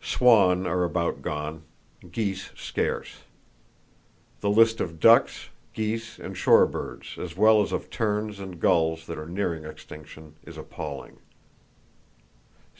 Swan are about gone, geese scarce. The list of ducks, geese and shore birds, as well as of terns and gulls that are nearing extinction is appalling.